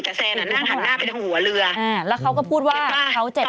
แต่แซนอ่ะนั่งหันหน้าไปทางหัวเรืออ่าแล้วเขาก็พูดว่าเขาเจ็บ